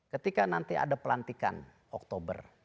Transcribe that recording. ketika nanti ada pelantikan oktober